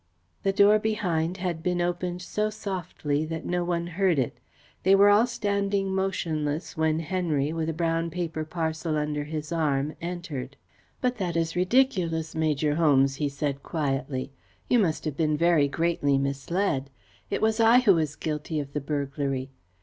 The door behind had been opened so softly that no one heard it. They were all standing motionless when Henry, with a brown paper parcel under his arm, entered. "But that is ridiculous, Major Holmes," he said quietly. "You must have been very greatly misled. It was I who was guilty of the burglary.